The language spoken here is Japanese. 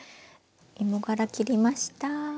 芋がら切りました。